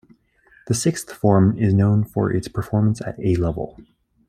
The sixth form is known for its performance at A-level.